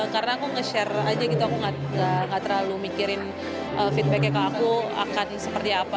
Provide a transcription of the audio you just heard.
karena aku nge share aja gitu aku gak terlalu mikirin feedback nya ke aku akan seperti apa